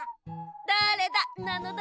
だれだ？なのだ。